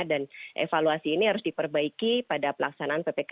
dan evaluasi ini harus diperbaiki pada pelaksanaan ptkm darurat